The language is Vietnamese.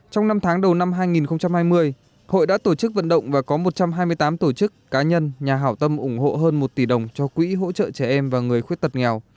trong năm tháng đầu năm hai nghìn hai mươi hội đã tổ chức vận động và có một trăm hai mươi tám tổ chức cá nhân nhà hảo tâm ủng hộ hơn một tỷ đồng cho quỹ hỗ trợ trẻ em và người khuyết tật nghèo